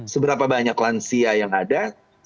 seberapa banyak lansia yang ada